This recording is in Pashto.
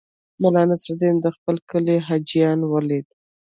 ملا نصرالدین د خپل کلي حاجیان ولیدل.